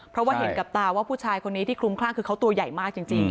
เพราะว่าเห็นกับตาว่าผู้ชายคนนี้ที่คลุมคลั่งคือเขาตัวใหญ่มากจริง